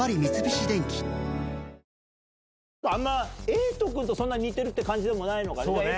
エイトくんと似てるって感じでもないのかね。